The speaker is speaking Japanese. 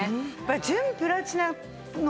純プラチナのね